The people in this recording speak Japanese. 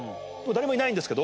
誰もいないんですけど